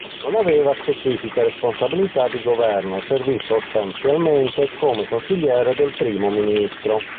Non aveva specifiche responsabilità di governo e servì sostanzialmente come consigliere del primo ministro.